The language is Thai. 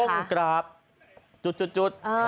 กล้องกราฟจุด